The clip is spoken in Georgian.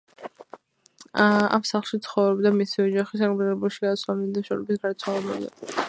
ამ სახლში ცხოვრობდა მისი ოჯახი სანქტ-პეტერბურგში გადასვლამდე და მშობლების გარდაცვალებამდე.